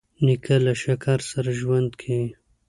نیکه له شکر سره ژوند کوي.